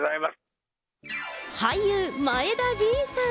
俳優、前田吟さん。